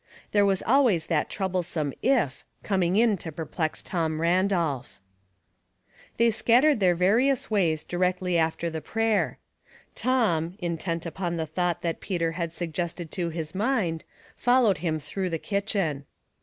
There was always that troublesome "if" coming in to perplex Tom Randolph. They scattered their various ways dir«»ctly 82 Household Fuzzles. after the prayer. Tom, intent upon the thought that Peter had suggested to his mind, followed him through the kitchen.